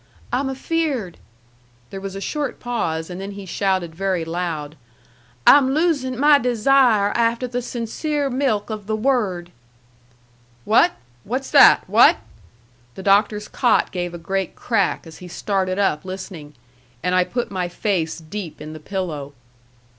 "I'm afeared." There was a short pause, and then he shouted very loud, "I'm losin' my desire afteh the sincere milk of the Word!" "What? What's that? What?" The Doctor's cot gave a great crack as he started up listening, and I put my face deep in the pillow.